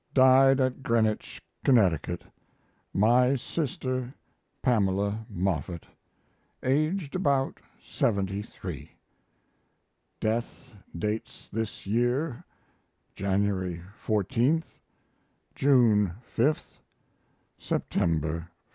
Died at Greenwich, Connecticut, my sister, Pamela Moffett, aged about 73. Death dates this year January 14, June 5, September 1.